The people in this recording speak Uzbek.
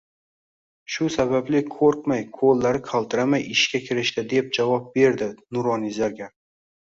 Shu sababli qoʻrqmay, qoʻllari qaltiramay ishga kirishdi, deb javob berdi nuroniy zargar